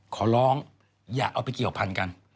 ขอร้องอย่าเอาไปเกี่ยวพันกัน